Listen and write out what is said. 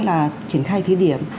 là triển khai thí điểm